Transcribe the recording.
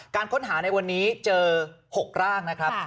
การค้นหาในวันนี้เจอ๖ร่างนะครับ